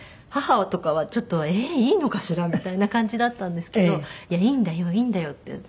母とかはちょっと「ええーいいのかしら？」みたいな感じだったんですけど「いやいいんだよいいんだよ」って。